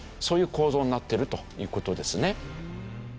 そういう構造になってるという事ですね。